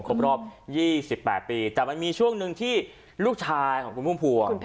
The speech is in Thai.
ครบรอบ๒๘ปีแต่มันมีช่วงหนึ่งที่ลูกชายของคุณพุ่มพวง